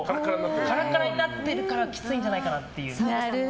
カラカラになってるからきついんじゃないかなと。